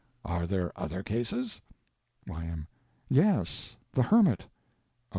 Are there other cases? Y.M. Yes, the hermit. O.